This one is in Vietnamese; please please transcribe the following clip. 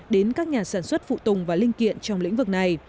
đến các nhà sản xuất phụ tùng và linh kiện trong lĩnh vực này